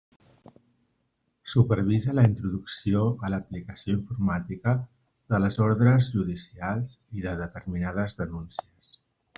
Supervisa la introducció a l'aplicació informàtica de les ordres judicials i de determinades denúncies.